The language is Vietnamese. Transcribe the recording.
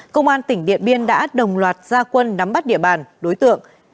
công an tỉnh điện biên đã đồng loạt gia quân nắm bắt địa bàn đối tượng